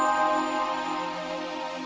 bapak kasian bu